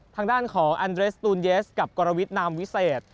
ทางด้านของแอนเรสตูนเยสกับกรวิทนามวิเศษ